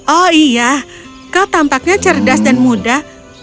oh iya kau tampaknya cerdas dan mudah